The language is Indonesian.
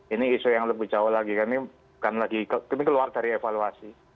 ini isu yang lebih jauh lagi kan ini bukan lagi ini keluar dari evaluasi